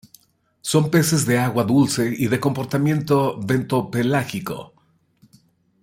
Son peces de agua dulce y de comportamiento bentopelágico.